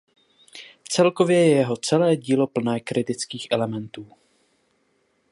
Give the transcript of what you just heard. Celkově je jeho celé dílo plné kritických elementů.